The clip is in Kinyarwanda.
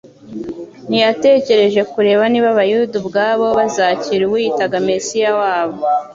Ntiyatekereje kureba niba abayuda ubwabo bazakira uwiyitaga Mesiya wabo.